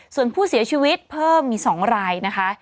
ส่วนผู้เสียชีวิตเพิ่มมี๒รายนะคะ